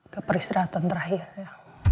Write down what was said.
ke peristirahatan terakhirnya